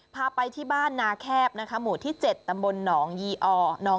พาไปที่บ้านนาแคบนะคะหมู่ที่๗ตำบลหนองยีออ